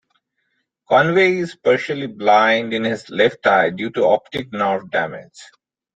Convey is partially blind in his left eye due to optic nerve damage.